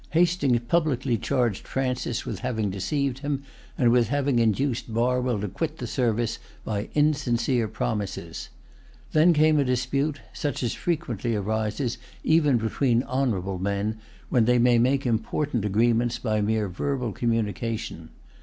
Hastings publicly charged Francis with having deceived him, and with having induced Barwell to quit the service by insincere promises. Then came a dispute, such as frequently arises even between honorable men, when they may make important agreements by mere verbal communication.